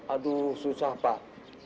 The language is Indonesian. aduh susah pak